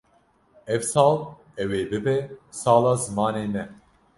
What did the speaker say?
Ev sal ew ê bibe sala zimanê me.